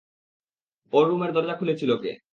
ওর রুমের দরজা খুলেছিল কে?